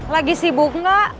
lagi sibuk nggak